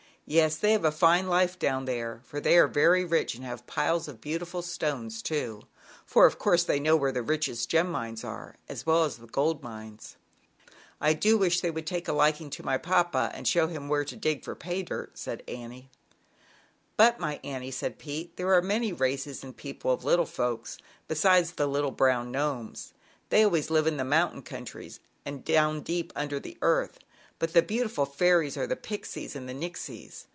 "Yes, they have a fine life down there, for they are very rich, and have piles of beautiful stones, too; for, of course, they know where the richest gem mines are, as well as the gold mines." " I do wish they would take a liking to my papa and show him ZAUBERLINDA, THE WISE WITCH. 61 where to dig for 4 pay dirt,'" said Annie. "But, my Annie," said Pete, "there are many races and people of little folks besides the little brown Gnomes. They always live in mountain countries and down deep under the earth, but the beautiful fairies are the Pixies and the Nixies.